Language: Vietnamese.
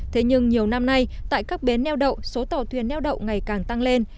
thế nhưng nhiều năm nay tại các bến neo đậu số tàu thuyền neo đậu ngày càng tăng lên